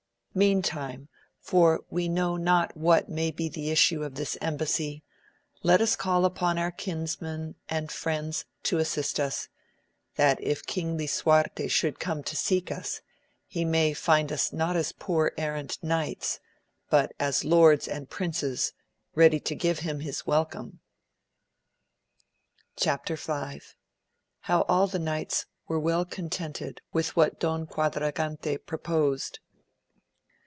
Meantime, for we know not what may be the issue of this embassy, let us call upon our kinsmen and friends to assist us, that if King Lisuarte should come to seek us, he may find us not as poor errant knights, but as lords and princes, ready to give him his welcome. Chap. V. — How all the Knights were well contented with what Don Quadragante proposed.